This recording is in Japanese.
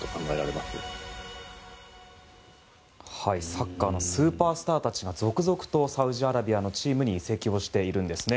サッカーのスーパースターたちが続々とサウジアラビアのチームに移籍しているんです。